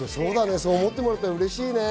そう思ってもらえたら嬉しいね。